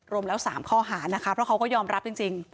รวมแล้ว๓ข้อหานะคะเพราะเขาก็ยอมรับจริง